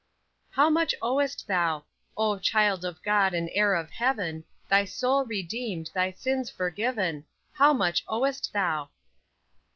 "How much owest thou? Oh, child of God, and heir of heaven, Thy soul redeemed, thy sins forgiven How much owest thou?"